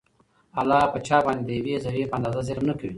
الله په چا باندي د يوې ذري په اندازه ظلم نکوي